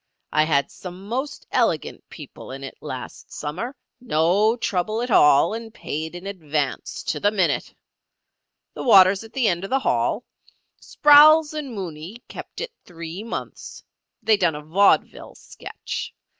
I had some most elegant people in it last summer—no trouble at all, and paid in advance to the minute. The water's at the end of the hall. Sprowls and Mooney kept it three months. They done a vaudeville sketch.